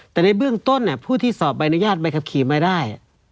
แต่ในเบื้องต้นผู้ที่สอบใบอนุญาตใบขับขี่ไม่ได้